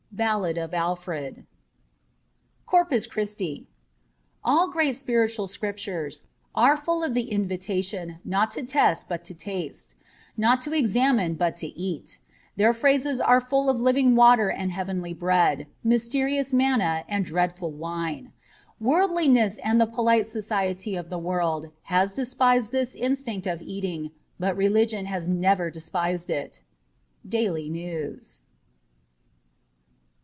' Ballad of Alfred: 430 CORPUS CHRISTI ALL great spiritual Scriptures are full of the invitation not to test but to taste ; not to examine but to eat. Their phrases are full of living water and heavenly bread, mysterious manna and dreadful wine. Worldliness and the polite society of the world has despised this instinct of eating, but religion has never despised it. ' Daily News.'